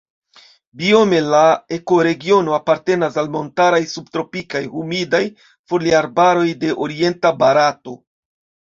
Biome la ekoregiono apartenas al montaraj subtropikaj humidaj foliarbaroj de orienta Barato.